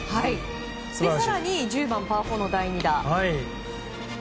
更に１０番、パー４の第２打。